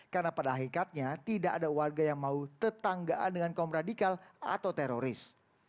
karena pada akhirnya tidak ada warga yang mau tetanggaan dengan kaum radikal atau teroris